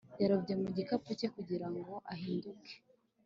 yarobye mu gikapu cye kugira ngo ahinduke